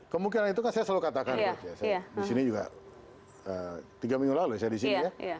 kemungkinan itu kan saya selalu katakan